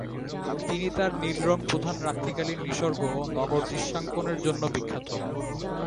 তিনি তার নীল রং-প্রধান রাত্রিকালীন নিসর্গ ও নগরদৃশ্যাঙ্কনের জন্য বিখ্যাত।